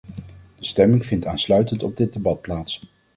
De stemming vindt aansluitend op dit debat plaats.